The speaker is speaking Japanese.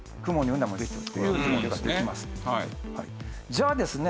じゃあですね